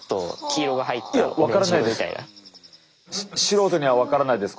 素人には分からないです